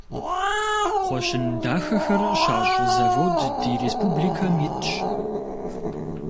Кхъуэщын дахэхэр щащӀ завод ди республикэм итщ.